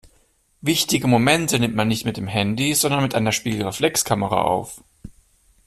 Wichtige Momente nimmt man nicht mit dem Handy, sondern mit einer Spiegelreflexkamera auf.